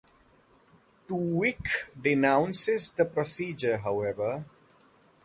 Tuvix denounces the procedure however.